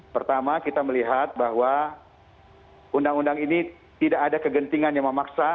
pertama kita melihat bahwa undang undang ini tidak ada kegentingan yang memaksa